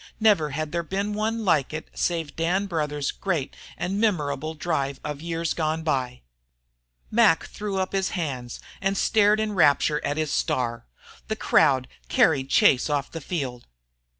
Never had there been one like it save Dan Brouthers' great and memorable drive of years gone by. Mac threw up his hands and stared in rapture at his star. The crowd carried Chase off the field.